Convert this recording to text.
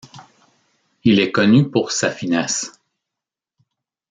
Il est connu pour sa finesse.